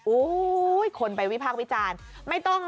โอ๊ยคนไปวิพากษ์วิจารณ์